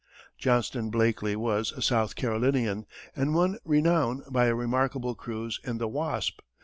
Johnston Blakeley was a South Carolinian, and won renown by a remarkable cruise in the Wasp.